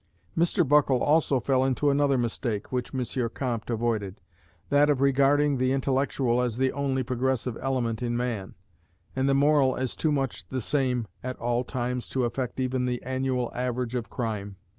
Mr Buckle also fell into another mistake which M. Comte avoided, that of regarding the intellectual as the only progressive element in man, and the moral as too much the same at all times to affect even the annual average of crime.